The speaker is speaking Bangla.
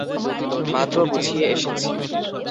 মাত্র গুছিয়ে এসেছি।